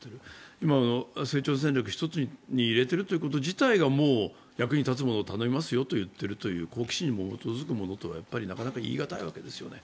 今、成長戦略の一つに入れているということ自体が役に立つものを頼みますよという好奇心に基づくものとはなかなか言いがたいわけですよね。